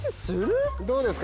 どうですか？